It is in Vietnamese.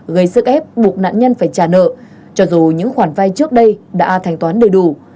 gây sức ép buộc nạn nhân phải trả nợ cho dù những khoản vay trước đây đã thành toán đầy đủ